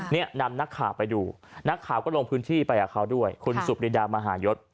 นี่นำนักข่าวไปดูนักข่าวก็ลงพื้นที่ไปกับเขาด้วยคุณสุปรีดามหายศ